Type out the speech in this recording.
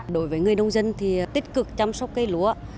đối với người nông dân thì tích cực chăm sóc cây lúa